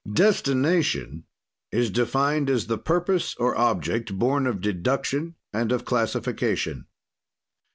"Destination is defined as the purpose or object, born of deduction and of classification.